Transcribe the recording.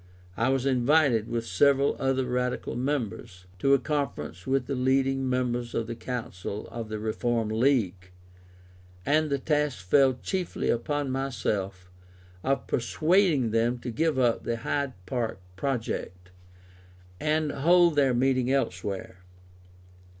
I was invited, with several other Radical members, to a conference with the leading members of the Council of the Reform League; and the task fell chiefly upon myself, of persuading them to give up the Hyde Park project, and hold their meeting elsewhere.